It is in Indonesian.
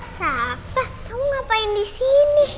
rasa kamu ngapain disini